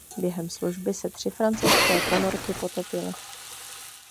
Během služby se tři francouzské ponorky potopily.